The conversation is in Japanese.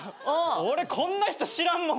俺こんな人知らんもん。